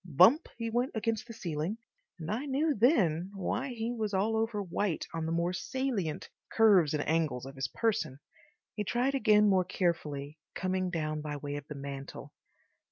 Bump he went against the ceiling, and I knew then why he was all over white on the more salient curves and angles of his person. He tried again more carefully, coming down by way of the mantel.